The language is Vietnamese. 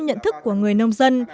nhận thức của người nông dân